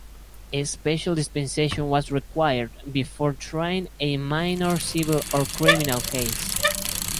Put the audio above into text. A special dispensation was required before trying a minor civil or criminal case.